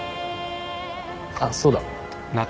あっそうだ。